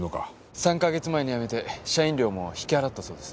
３か月前に辞めて社員寮も引き払ったそうです。